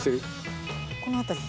この辺り。